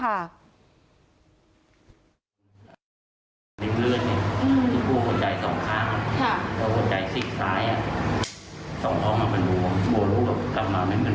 อาการเลยมากนะตรงนี้นะผมอยากให้ลูกหายดีขึ้น